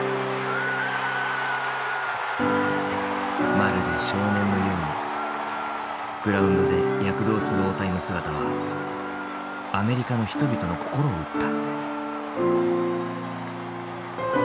まるで少年のようにグラウンドで躍動する大谷の姿はアメリカの人々の心を打った。